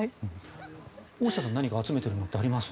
大下さん何か集めているものあります？